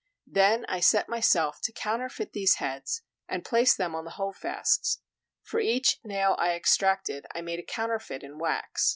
Then I set myself to counterfeit these heads and place them on the holdfasts; for each nail I extracted I made a counterfeit in wax.